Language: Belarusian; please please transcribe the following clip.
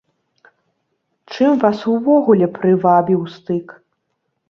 Чым вас увогуле прывабіў стык?